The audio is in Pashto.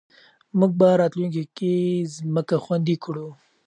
موږ به راتلونکې کې ځمکه خوندي کړو.